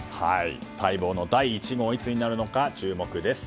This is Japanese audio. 待望の第１号がいつになるのか注目です。